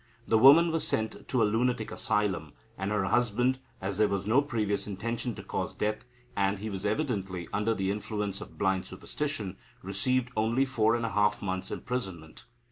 The woman was sent to a lunatic asylum, and her husband, as there was no previous intention to cause death, and he was evidently under the influence of blind superstition, received only four and a half months' imprisonment.